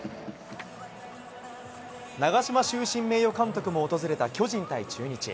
長嶋終身名誉監督も訪れた巨人対中日。